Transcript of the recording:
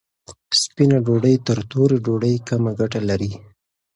سپینه ډوډۍ تر تورې ډوډۍ کمه ګټه لري.